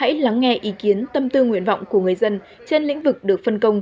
hãy lắng nghe ý kiến tâm tư nguyện vọng của người dân trên lĩnh vực được phân công